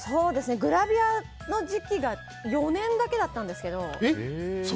グラビアの時期が４年だけだったんですけど。